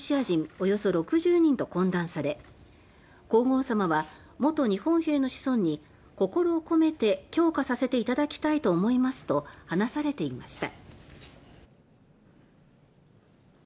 およそ６０人と懇談され皇后さまは元日本兵の子孫に「心を込めて供花させて頂きたいと思います」と話されていました。